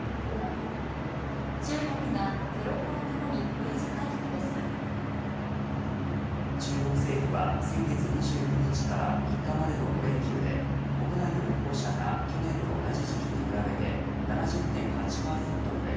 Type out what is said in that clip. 中国がゼロコロナ後にＶ字回復で中国政府は先月２９日から３日までの５連休で国内の旅行者が去年の同じ時期に比べて７０．８％増え